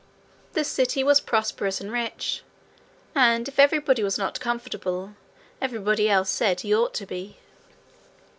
The city was prosperous and rich, and if everybody was not comfortable, everybody else said he ought to be.